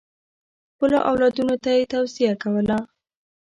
خپلو اولادونو ته یې توصیه کوله.